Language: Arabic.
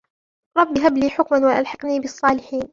رَبِّ هَبْ لِي حُكْمًا وَأَلْحِقْنِي بِالصَّالِحِينَ